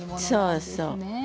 そうそう。